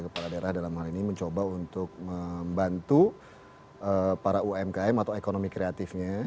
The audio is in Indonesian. kepala daerah dalam hal ini mencoba untuk membantu para umkm atau ekonomi kreatifnya